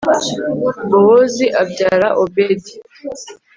bowozi abyara obedi